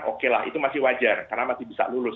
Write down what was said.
oke lah itu masih wajar karena masih bisa lulus